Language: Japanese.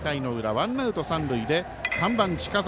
ワンアウト、三塁で３番、近澤。